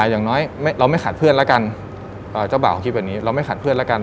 อย่างน้อยเราไม่ขาดเพื่อนแล้วกันเจ้าบ่าวคิดแบบนี้เราไม่ขาดเพื่อนแล้วกัน